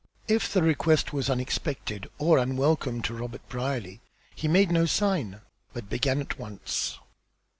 If the request was unexpected or unwelcome to Robert Brierly he made no sign, but began at once.